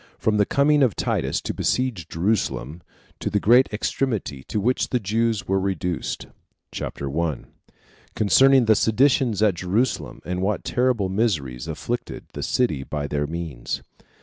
From The Coming Of Titus To Besiege Jerusalem, To The Great Extremity To Which The Jews Were Reduced. CHAPTER 1. Concerning The Seditions At Jerusalem And What Terrible Miseries Afflicted The City By Their Means.